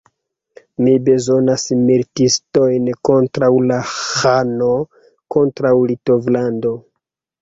Mi bezonas militistojn kontraŭ la ĥano, kontraŭ Litovlando.